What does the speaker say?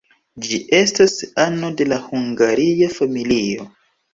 Ĝi estas ano de la Hungaria familio.